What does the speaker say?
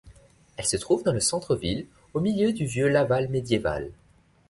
Elle se trouve dans le centre-ville, au milieu du Vieux Laval médiéval.